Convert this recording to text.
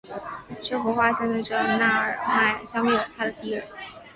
这幅画象征着那尔迈消灭了他的敌人。